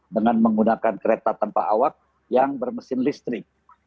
dengan menggunakan kereta tanpa awak yang bermesin listrik